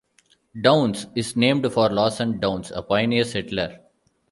Downs is named for Lawson Downs, a pioneer settler.